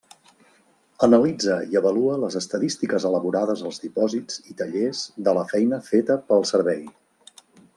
Analitza i avalua les estadístiques elaborades als dipòsits i tallers de la feina feta pel Servei.